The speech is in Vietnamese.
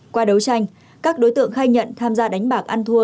qua đấu tranh các đối tượng khai nhận tham gia đánh bạc ăn thua